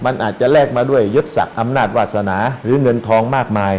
มันอาจจะแลกมาด้วยยศศักดิ์อำนาจวาสนาหรือเงินทองมากมาย